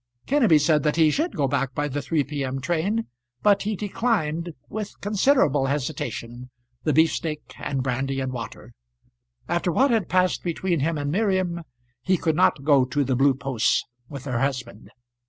Kenneby said that he should go back by the 3 P.M. train, but he declined, with considerable hesitation, the beefsteak and brandy and water. After what had passed between him and Miriam he could not go to the Blue Posts with her husband.